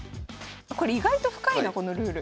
これ意外と深いなこのルール。